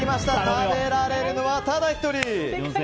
食べられるのはただ１人。